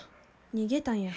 逃げたんや。